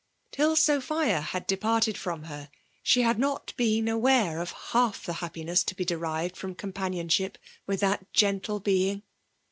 Till Sophia had departed iroM her» sh^ had not been aware of half the happiness to be derived from companionship with that gentle being!